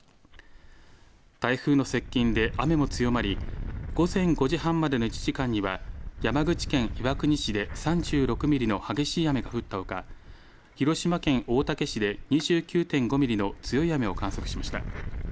台風の接近で雨も強まり、午前５時半までの１時間には、山口県岩国市で３６ミリの激しい雨が降ったほか、広島県大竹市で２９．５ミリの強い雨を観測しました。